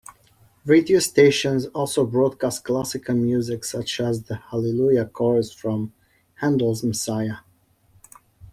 Radio stations also broadcast classical music, such as the "Hallelujah" chorus from Handel's "Messiah".